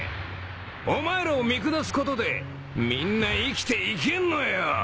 お前らを見下すことでみんな生きていけんのよ。